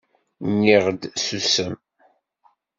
Nniɣ-d ssusem!